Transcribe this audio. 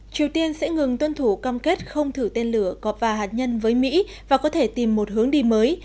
triều tiên sẽ ngừng tuân thủ cam kết không thử tên lửa cọp và hạt nhân với mỹ và có thể tìm một hướng đi mới